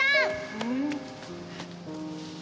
うん？